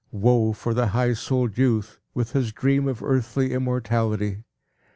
Woe, for the high souled youth, with his dream of earthly immortality!